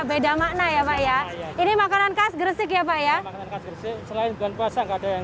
beda makna ya pak ya ini makanan khas gresik ya pak ya selain bulan puasa nggak ada yang